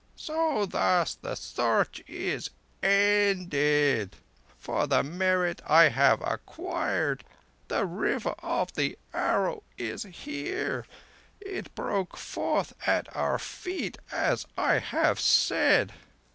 So thus the Search is ended. For the merit that I have acquired, the River of the Arrow is here. It broke forth at our feet, as I have said.